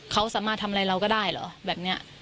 เขาสามารถทำอะไรเราก็ได้เหรอแบบนี้